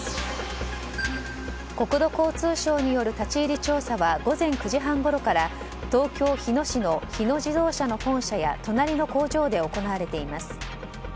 国土交通省による立ち入り調査は午前９時半ごろから東京・日野市の日野自動車の本社や隣の工場で行われています。